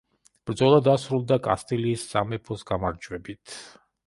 ბრძოლა დასრულდა კასტილიის სამეფოს გამარჯვებით.